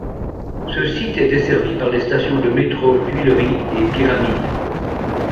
Ce site est desservi par les stations de métro Tuileries et Pyramides.